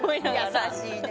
優しいね。